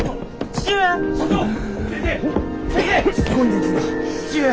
父上！